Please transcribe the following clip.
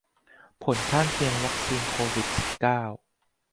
ผลข้างเคียงวัคซีนโควิดสิบเก้า